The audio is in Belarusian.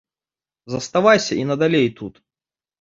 Заставайся і надалей тут.